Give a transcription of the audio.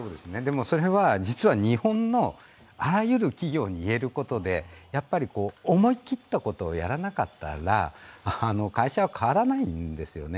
それは実は日本のあらゆる企業に言えることで思い切ったことをやらなかったら、会社は変わらないんですよね。